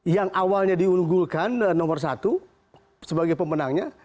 yang awalnya diunggulkan nomor satu sebagai pemenangnya